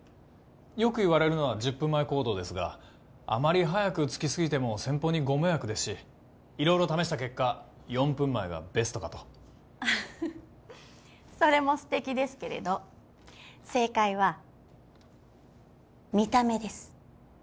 よくいわれるのは１０分前行動ですがあまり早く着きすぎても先方にご迷惑ですし色々試した結果４分前がベストかとフフッそれも素敵ですけれど正解は見た目です